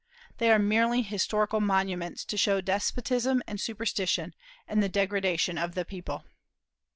They are merely historical monuments, to show despotism and superstition, and the degradation of the people.